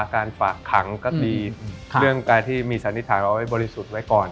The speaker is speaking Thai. การฝากขังก็ดีเรื่องการที่มีสันนิษฐานเอาไว้บริสุทธิ์ไว้ก่อน